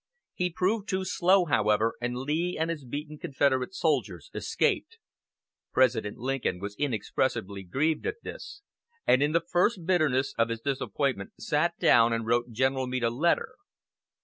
He proved too slow, however, and Lee and his beaten Confederate soldiers escaped. President Lincoln was inexpressibly grieved at this, and in the first bitterness of his disappointment sat down and wrote General Meade a letter.